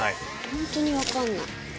ホントにわかんない。